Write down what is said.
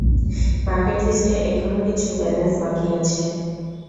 Bucket লিস্টে এখনও কিছু ব্যালেন্স বাকি আছে!